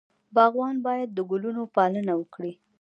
باغوان باید د ګلونو پالنه وکړي.